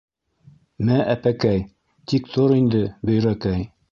- Мә әпәкәй, тик тор инде Бөйрәкәй...